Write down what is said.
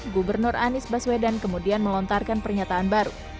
gubernur anies baswedan kemudian melontarkan pernyataan baru